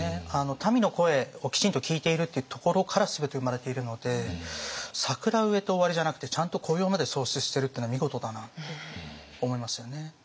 民の声をきちんと聞いているっていうところから全て生まれているので桜植えて終わりじゃなくてちゃんと雇用まで創出してるっていうのは見事だなって思いますよね。